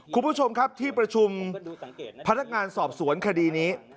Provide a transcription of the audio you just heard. คุณผู้ชมครับที่ประชุมพนักงานสอบสวนคดีนี้